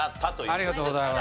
ありがとうございます。